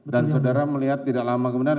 dan saudara melihat tidak lama kemudian